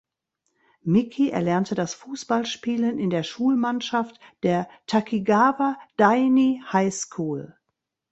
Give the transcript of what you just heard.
Miki erlernte das Fußballspielen in der Schulmannschaft der "Takigawa Daini High School".